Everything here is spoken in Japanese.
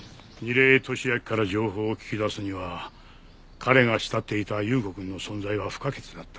楡井敏秋から情報を聞き出すには彼が慕っていた有雨子くんの存在は不可欠だった。